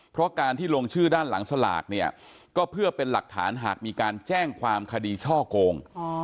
เพราะการที่ลงชื่อด้านหลังสลากเนี่ยก็เพื่อเป็นหลักฐานหากมีการแจ้งความคดีช่อโกง